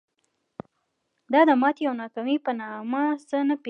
دا د ماتې او ناکامۍ په نامه څه نه پېژني.